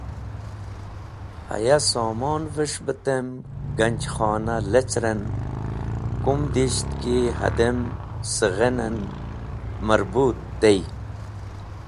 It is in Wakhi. Haya somonves̃h be tem ganjkhonah leceren kumdisht ki hadem sighen en marbut tey.